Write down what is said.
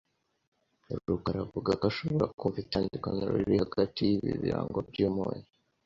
rukaraavuga ko ashobora kumva itandukaniro riri hagati yibi birango byumunyu.